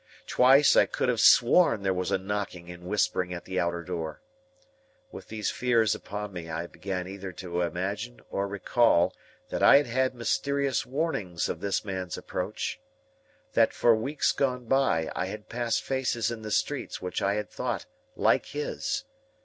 Twice, I could have sworn there was a knocking and whispering at the outer door. With these fears upon me, I began either to imagine or recall that I had had mysterious warnings of this man's approach. That, for weeks gone by, I had passed faces in the streets which I had thought like his.